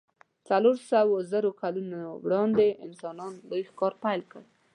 څلور سوو زرو کلونو وړاندې انسانانو لوی ښکار پیل کړ.